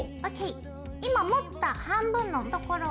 今持った半分のところを。